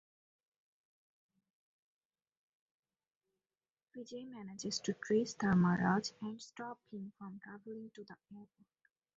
Vijay manages to trace Dharmaraj and stop him from travelling to the airport.